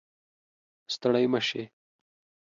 ستړی مشې